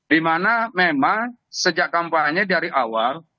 dimana memang sejak kampanye dari awal